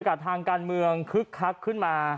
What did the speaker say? รายการทางการเมืองคึกคักขึ้นมา